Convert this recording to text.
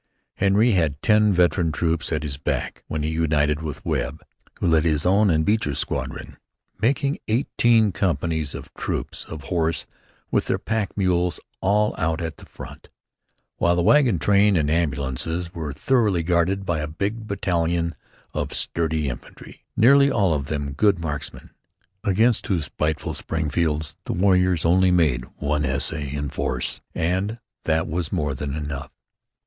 Henry had ten veteran troops at his back when he united with Webb, who led his own and the Beecher squadron, making eighteen companies, or troops, of Horse, with their pack mules, all out at the front, while the wagon train and ambulances were thoroughly guarded by a big battalion of sturdy infantry, nearly all of them good marksmen, against whose spiteful Springfields the warriors made only one essay in force, and that was more than enough.